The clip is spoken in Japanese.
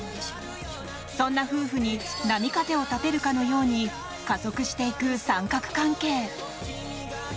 そんな夫婦に波風を立てるかのように加速していく三角関係。